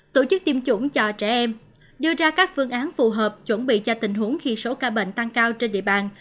tổ chức tiêm chủng cho trẻ em đưa ra các phương án phù hợp chuẩn bị cho tình huống khi số ca bệnh tăng cao trên địa bàn